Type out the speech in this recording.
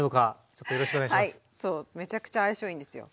めちゃくちゃ相性いいんですよ。